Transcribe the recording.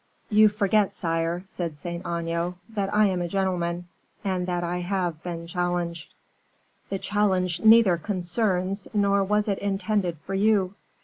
"You forget, sire," said Saint Aignan, "that I am a gentleman, and that I have been challenged." "The challenge neither concerns nor was it intended for you."